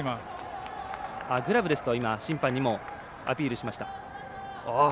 グラブですと審判にもアピールしました。